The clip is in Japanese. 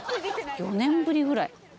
４年ぶりぐらい？